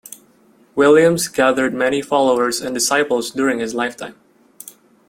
Williams gathered many followers and disciples during his lifetime.